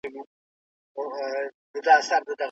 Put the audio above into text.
نجلۍ باید د خاوند په ټاکلو کي تېروتنه ونه کړي.